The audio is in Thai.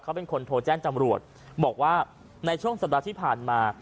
เขาเป็นคนโทรแจ้งจำรวจบอกว่าในช่วงสัปดาห์ที่ผ่านมา